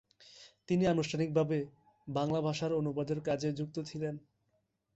তিনি আনুষ্ঠানিকভাবে বাংলা ভাষার অনুবাদের কাজেও যুক্ত ছিলেন।